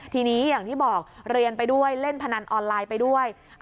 ทีนี้อย่างที่บอกเรียนไปด้วยเล่นพนันออนไลน์ไปด้วย